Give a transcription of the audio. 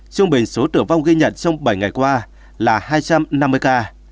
trung bình số tử vong ghi nhận trong bảy ngày qua là hai trăm năm mươi ca